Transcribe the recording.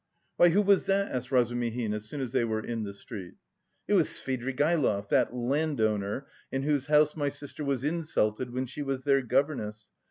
"Why, who was that?" asked Razumihin, as soon as they were in the street. "It was Svidrigaïlov, that landowner in whose house my sister was insulted when she was their governess.